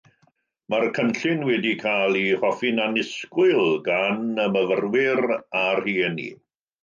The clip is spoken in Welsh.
Mae'r cynllun wedi cael ei hoffi'n annisgwyl gan y myfyrwyr a rhieni.